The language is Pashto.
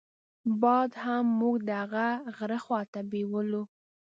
باد هم موږ د هغه غره خواته بېولو.